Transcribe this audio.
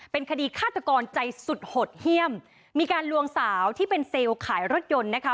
เป็นคดีฆาตกรใจสุดหดเยี่ยมมีการลวงสาวที่เป็นเซลล์ขายรถยนต์นะคะ